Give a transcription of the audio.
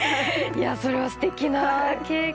いやそれはステキな経験。